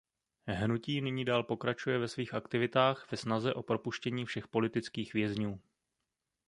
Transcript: Hnutí nyní dál pokračuje ve svých aktivitách ve snaze o propuštění všech politických vězňů.